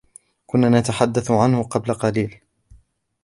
كنا نتحدث عنك قبل قليل.